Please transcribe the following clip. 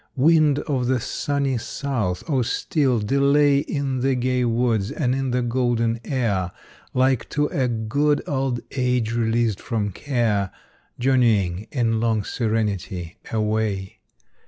Wind of the sunny south! oh still delay In the gay woods and in the golden air, Like to a good old age released from care, Journeying, in long serenity, away.